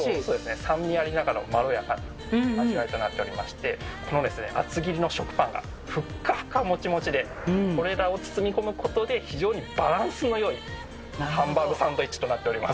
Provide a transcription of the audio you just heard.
酸味ありながらもまろやかな味わいとなっておりまして、この厚切りの食パンがふっかふか、もちもちで、これらを包み込むことで、非常にバランスのよいハンバーグサンドイッチとなっております。